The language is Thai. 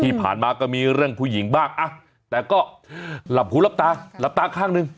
ที่ผ่านมาก็มีเรื่องผู้หญิงบ้างแต่ก็หลับหูหลับตาหลับตาข้างหนึ่ง